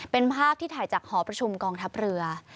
เป็นภาพที่ถ่ายจากหอประชุมกองทัพเรือ